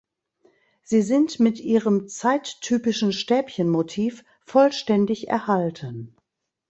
Sie sind mit ihrem zeittypischen Stäbchenmotiv vollständig erhalten.